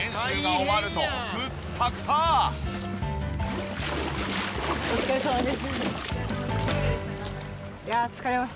お疲れさまです。